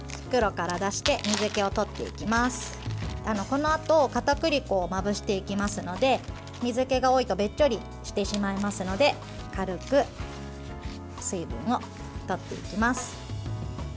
このあと、片栗粉をまぶしていきますので水けが多いとべっちょりしてしまいますので軽く水分をとっていきます。